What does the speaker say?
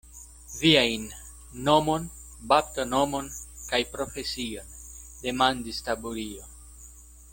Viajn nomon, baptonomon kaj profesion, demandis Taburio.